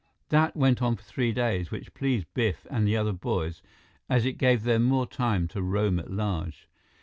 That went on for three days, which pleased Biff and the other boys, as it gave them more time to roam at large.